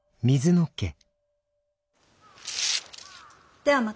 ではまた。